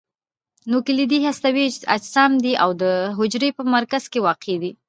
نوکلوئید هستوي اجسام دي او د حجرې په مرکز کې واقع دي.